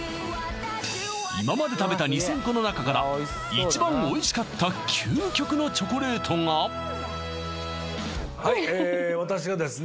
今まで食べた２０００個のなかから一番おいしかった究極のチョコレートがはいええ私がですね